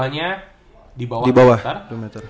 dua nya dibawah satu meter